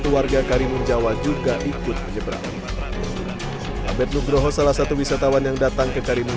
warga karimun jawa juga ikut menyeberang abed nugroho salah satu wisatawan yang datang ke karimun